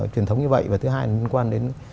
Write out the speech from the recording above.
truyền thống như vậy và thứ hai là liên quan đến